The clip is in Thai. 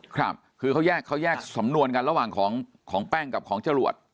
ครับคือเขาแยกเขาแยกสำนวนกันระหว่างของแป้งกับของจรวด